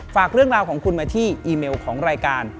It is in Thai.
ฝากเรื่องราวของคุณมาที่อีเมลของรายการ